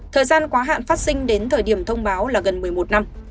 thời gian quá hạn phát sinh đến thời điểm thông báo là gần một mươi một năm